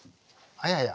あやや。